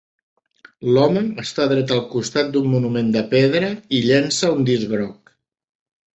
L'home està dret al costat d'un monument de pedra i llença un disc groc.